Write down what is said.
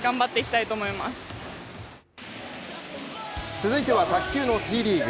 続いては卓球のＴリーグ。